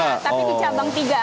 tapi di cabang tiga